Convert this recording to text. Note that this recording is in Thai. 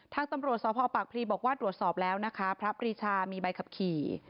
ทางตำรวจสพปากพลีบอกว่าตรวจสอบแล้วนะคะพระปรีชามีใบขับขี่